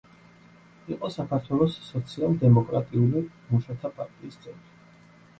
იყო საქართველოს სოციალ-დემოკრატიული მუშათა პარტიის წევრი.